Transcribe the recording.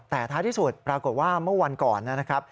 แต่ท้ายที่สุดปรากฏว่าเมื่อวันก่อนนะครับ